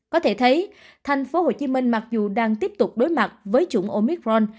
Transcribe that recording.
có thể thấy tp hcm mặc dù đang tiếp tục đối mặt với chủng omicron